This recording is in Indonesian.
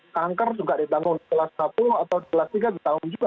kanker juga ditanggung kelas satu atau kelas tiga ditanggung juga